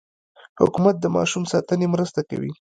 حکومت د ماشوم ساتنې مرسته کوي.